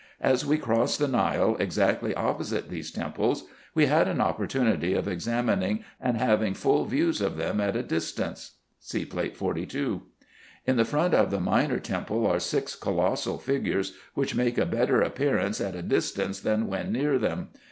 As we crossed the Nile exactly opposite these temples, we had an opportunity of examining and having full views of them at a distance (see Plate 42). In the front of the minor temple are six colossal figures, which make a better appearance at a distance than when near them.